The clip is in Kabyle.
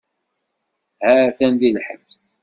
Ha-t-an di lḥebs.